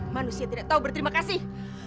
manusia tidak tahu berterima kasih